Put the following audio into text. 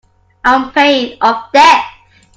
On pain of death.